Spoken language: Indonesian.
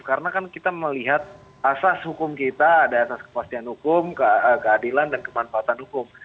karena kan kita melihat asas hukum kita ada asas kepastian hukum keadilan dan kemanfaatan hukum